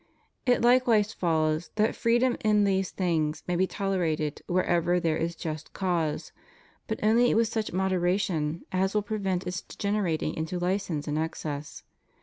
It likewise follows that freedom in these things may be tolerated wherever there is just cause; but only with such moderation as will prevent its degen erating into license and excess.